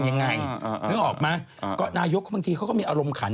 ยังไงนึกออกไหมก็นายกก็บางทีเขาก็มีอารมณ์ขัน